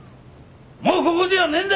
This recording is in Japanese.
もうここではねえんだ！